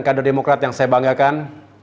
kader demokrat yang saya banggakan